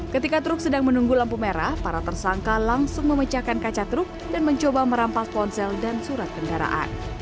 ketika truk sedang menunggu lampu merah para tersangka langsung memecahkan kaca truk dan mencoba merampas ponsel dan surat kendaraan